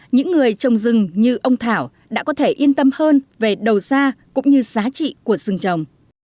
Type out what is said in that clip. những người trồng rừng như ông thảo đã có thể yên tâm hơn về đầu ra cũng như giá trị của rừng trồng